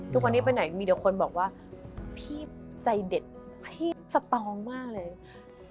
ทุกวันนี้ไปไหนมีแต่คนบอกว่าพี่ใจเด็ดพี่สตองมากเลย